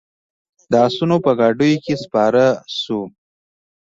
د آسونو په ګاډیو کې سپاره شوو.